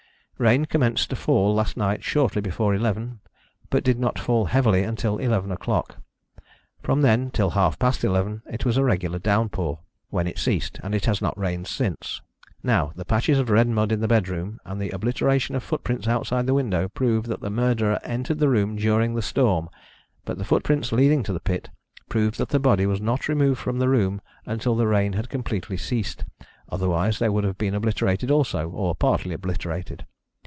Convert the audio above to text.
Rain commenced to fall last night shortly before eleven, but it did not fall heavily until eleven o'clock. From then till half past eleven it was a regular downpour, when it ceased, and it has not rained since. Now, the patches of red mud in the bedroom, and the obliteration of footprints outside the window, prove that the murderer entered the room during the storm, but the footprints leading to the pit prove that the body was not removed from the room until the rain had completely ceased, otherwise they would have been obliterated also, or partly obliterated.